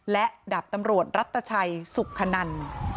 และดาบตำรวจรัตชัยสุขนัน